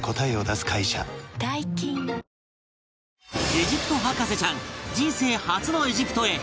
エジプト博士ちゃん人生初のエジプトへ